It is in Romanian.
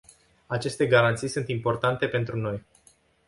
Aceste garanții sunt importante pentru noi.